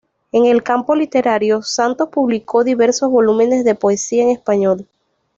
En el campo literario, Santos publicó diversos volúmenes de poesía en español.